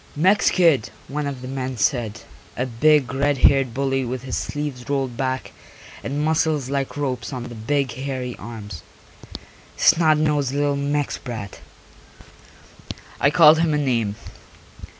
"Mex kid," one of the men said, a big red haired bully with his sleeves rolled back and muscles like ropes on the big hairy arms. "Snot nosed little Mex brat." I called him a name.